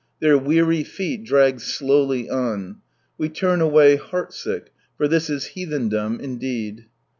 Their weary feet drag slowly on. Wc turn away heart sick, for this is heathendom indeed.